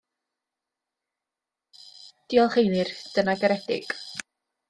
Diolch Einir, dyna garedig.